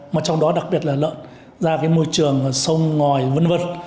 mà trong đó đặc biệt là lợn ra môi trường sông ngòi vân vân